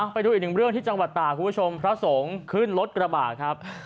ไปดูอีกหนึ่งเรื่องที่จังหวัดตากคุณผู้ชมพระสงฆ์ขึ้นรถกระบะครับ